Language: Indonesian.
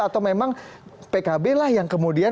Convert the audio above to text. atau memang pkb lah yang kemudian